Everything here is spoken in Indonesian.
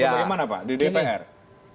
pak bukiman apa di dpr